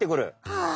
はあ